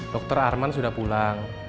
dokter arman sudah pulang